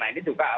nah ini juga